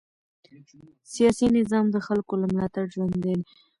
سیاسي نظام د خلکو له ملاتړ ژوندی دی